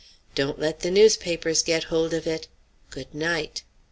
"Don't let the newspapers get hold of it good night."